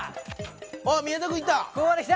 あっ宮田君行った？